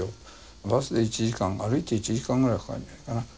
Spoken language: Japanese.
バスで１時間歩いて１時間ぐらいかかるんじゃないかな。